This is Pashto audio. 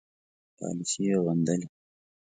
پالیسي یې غندلې.